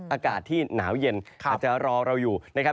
อากาศที่หนาวเย็นอาจจะรอเราอยู่นะครับ